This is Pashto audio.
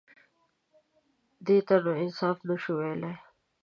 _دې ته نو انصاف نه شو ويلای.